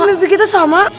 kok mimpi kita sama